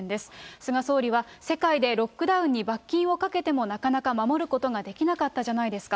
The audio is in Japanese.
菅総理は、世界でロックダウンに罰金をかけてもなかなか守ることができなかったじゃないですか。